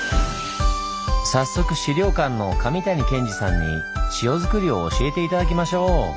早速資料館の神谷健司さんに塩作りを教えて頂きましょう！